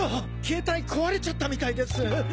ケータイ壊れちゃったみたいです。